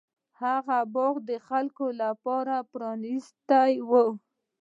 هغه باغ د خلکو لپاره پرانیستی و.